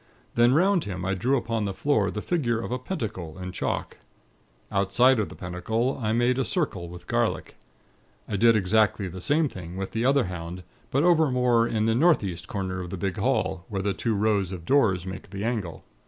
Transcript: Then, 'round him, I drew upon the floor the figure of a Pentacle, in chalk. Outside of the Pentacle, I made a circle with garlic. I did exactly the same thing with the other hound; but over more in the northeast corner of the big hall, where the two rows of doors make the angle.